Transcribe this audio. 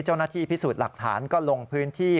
เจ้าหน้าที่พิสูจน์หลักฐานก็ลงพื้นที่